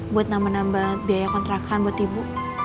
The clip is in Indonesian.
buat nambah nambah biaya kontrakan buat ibu